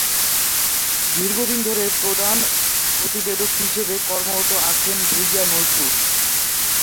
দীর্ঘদিন ধরে প্রধান প্রতিবেদক হিসেবে কর্মরত আছেন ভূঁইয়া নজরুল।